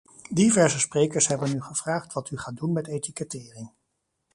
Diverse sprekers hebben u gevraagd wat u gaat doen met etikettering.